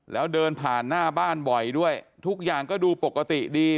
แล้วเดินผ่านหน้าบ้านบ่อยด้วยทุกอย่างก็ดูปกติดี